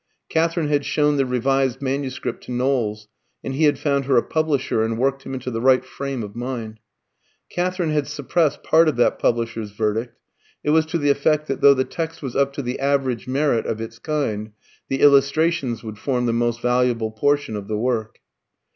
Katherine had shown the revised manuscript to Knowles, and he had found her a publisher and worked him into the right frame of mind. Katherine had suppressed part of that publisher's verdict: it was to the effect that, though the text was up to the average merit of its kind, the illustrations would form the most valuable portion of the work.